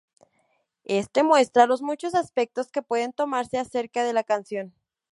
Este muestra los muchos aspectos que pueden tomarse acerca de la canción.